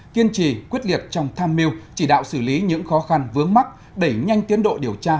kiên trì quyết liệt trong tham mưu chỉ đạo xử lý những khó khăn vướng mắt đẩy nhanh tiến độ điều tra